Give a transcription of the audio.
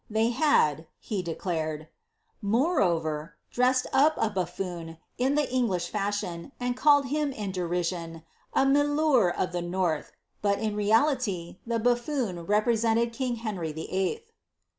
They id," he declared, ^moreover, dressed up a buflbou in the English jhion, and called him in derision, a tnilor of the north; but, in reality, la bufibon represented king Henry VIH.''